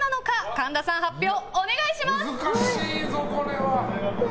神田さん、発表お願いします！